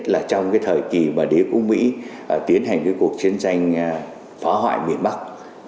là trong cái thời kỳ mà đế quốc mỹ tiến hành cái cuộc chiến tranh phá hoại miền bắc